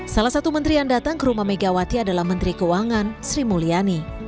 salah satu menteri yang datang ke rumah megawati adalah menteri keuangan sri mulyani